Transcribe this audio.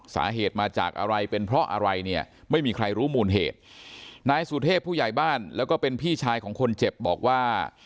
สาเหตุมาจากอะไรเป็นเพราะอะไรเนี่ยไม่มีใครรู้มูลเหตุนายสุเทพผู้ใหญ่บ้านแล้วก็เป็นพี่ชายของคนเจ็บบอกว่า